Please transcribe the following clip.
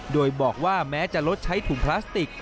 โดยบอกว่าแม้จะลดใช้ถุงพลาสติก